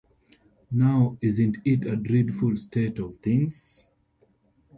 Now, isn't it a dreadful state of things?